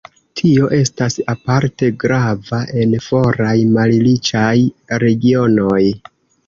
Tio estas aparte grava en foraj malriĉaj regionoj.